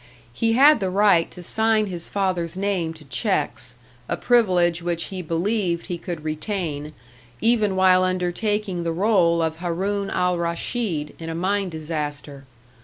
He had the right to sign his father's name to checks, a privilege which he believed he could retain, even while undertaking the role of Haroun al Raschid in a mine disaster.